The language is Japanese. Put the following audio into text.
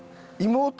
妹？